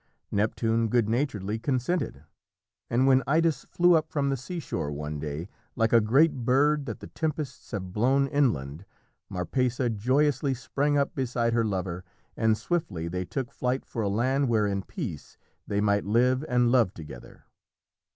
Neptune good naturedly consented, and when Idas flew up from the seashore one day, like a great bird that the tempests have blown inland, Marpessa joyously sprang up beside her lover, and swiftly they took flight for a land where in peace they might live and love together.